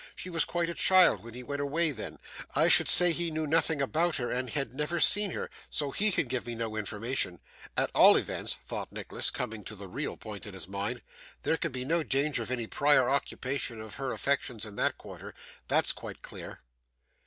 She was quite a child when he went away, then. I should say he knew nothing about her and had never seen her, so HE can give me no information. At all events,' thought Nicholas, coming to the real point in his mind, 'there can be no danger of any prior occupation of her affections in that quarter; that's quite clear.